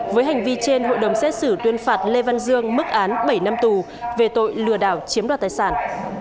với hành vi trên hội đồng xét xử tuyên phạt lê văn dương mức án bảy năm tù về tội lừa đảo chiếm đoạt tài sản